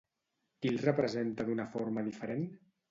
Qui el representa d'una forma diferent?